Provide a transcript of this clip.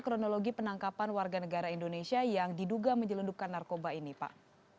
kronologi penangkapan warga negara indonesia yang diduga menyelundupkan narkoba ini pak